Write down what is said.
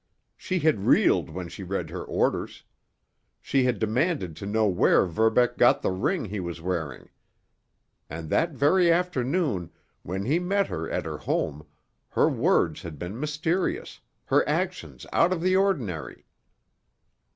She had reeled when she read her orders. She had demanded to know where Verbeck got the ring he was wearing. And that very afternoon, when he met her at her home—her words had been mysterious, her actions out of the ordinary.